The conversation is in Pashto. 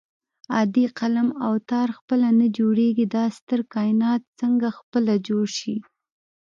عادي قلم او تار خپله نه جوړېږي دا ستر کائنات څنګه خپله جوړ شي